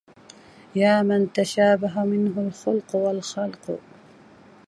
يا من تشابه منه الخلق والخلق